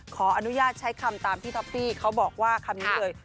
ขออนุญาตใช้คำตามที่ท็อปฟี่เขาบอกว่าคำนี้เลย